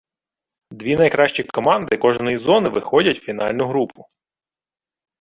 Дві найкращі команди кожної зони, виходять фінальну групу.